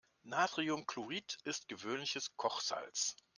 Natriumchlorid ist gewöhnliches Kochsalz.